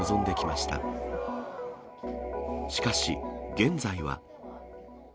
しかし現在は。